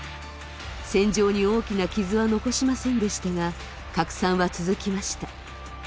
戦場に大きな傷は残しませんでしたが、拡散は続きました。